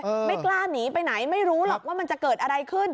ไม่กล้าหนีไปไหนไม่รู้หรอกว่ามันจะเกิดอะไรขึ้น